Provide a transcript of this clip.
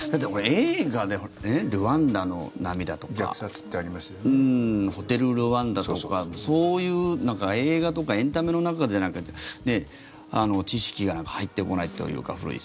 映画で「ルワンダの涙」とか「ホテル・ルワンダ」とかそういう映画とかエンタメの中じゃないと知識が入ってこないというか。